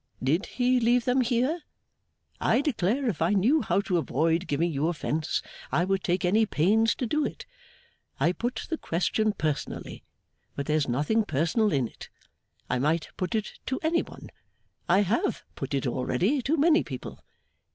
Did he leave them here? I declare if I knew how to avoid giving you offence, I would take any pains to do it. I put the question personally, but there's nothing personal in it. I might put it to any one; I have put it already to many people.